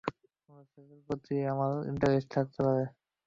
কোনো ছেলের প্রতি আমার ইন্টারেস্ট থাকতে পারে।